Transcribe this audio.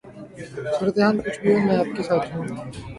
صورتحال کچھ بھی ہو میں آپ کے ساتھ ہوں